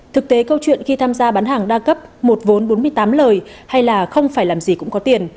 thực tế câu chuyện khi tham gia bán hàng đa cấp một vốn bốn mươi tám lời hay là không phải làm gì cũng có tiền